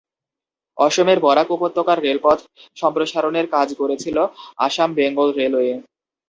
অসমের বরাক উপত্যকার রেলপথ সম্প্রসারণের কাজ করেছিল আসাম বেঙ্গল রেলওয়ে।